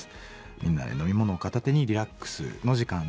みんなで飲み物を片手にリラックスの時間ですと。